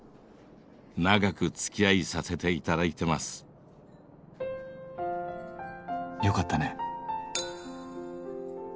長く付き合いさせて頂いてます。よかったネ。